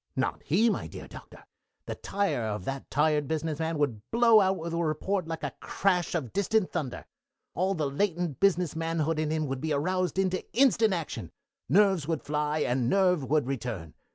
Not he, my dear Doctor. The tire of that tired business man would blow out with a report like a crash of distant thunder. All the latent business manhood in him would be aroused into instant action. Nerves would fly, and nerve would return.